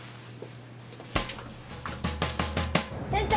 店長！